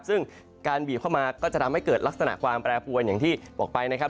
ซึ่งการบีบเข้ามาก็จะทำให้เกิดลักษณะความแปรปวนอย่างที่บอกไปนะครับ